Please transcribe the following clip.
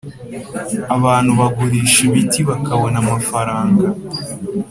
Abantu bagurisha ibiti bakabona amafaranga